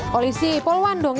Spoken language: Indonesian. polisi poluan dong ya